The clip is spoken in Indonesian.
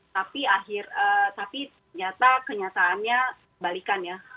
tapi ternyata kenyataannya kebalikan ya